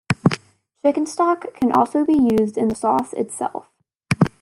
Chicken stock can also be used in the sauce itself.